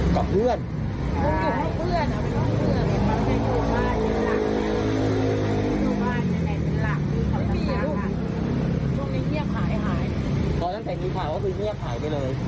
ตอนตั้งแต่นี้ถ่ายก็ขึ้นเงียบหายไปเลย